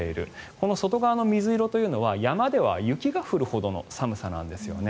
この外側の水色というのは山では雪が降るほどの寒さなんですよね。